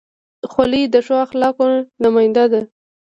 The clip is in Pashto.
خولۍ د ښو اخلاقو نماینده ده.